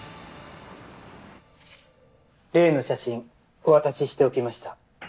例の写真お渡ししておきました。